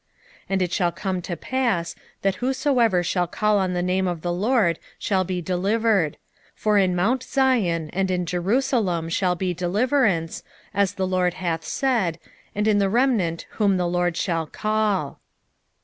2:32 And it shall come to pass, that whosoever shall call on the name of the LORD shall be delivered: for in mount Zion and in Jerusalem shall be deliverance, as the LORD hath said, and in the remnant whom the LORD shall call.